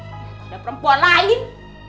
sampai ada perempuan lain